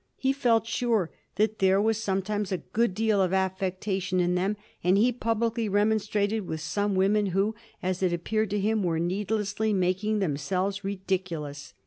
He felt sure that there was sometimes a good deal of affectation in them, and he publicly remonstrated with some women who, as it appeared to him, were needlessly making them selves ridiculous.